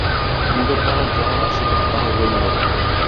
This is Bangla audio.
মুখে তাহার যাহা আসিল তাহাই বলিল।